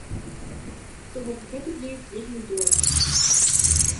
То бок гэта для іх вельмі дорага.